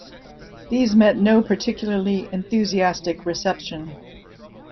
These met no particularly enthusiastic reception.